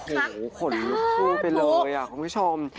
โอ้โหขนลูกทูเป็นเลยอ่ะคุณผู้ชม